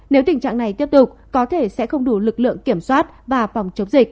nếu tình trạng này tiếp tục có thể sẽ không đủ lực lượng kiểm soát và phòng chống dịch ông nghĩa nói thêm